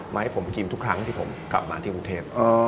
มาให้ผมไปกินทุกครั้งที่ผมกลับมาที่กรุงเทพ